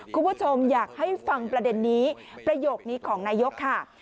คุณผู้ชมอยากให้ฟังประเด็นนี้ประโยคนี้ของนายกค่ะ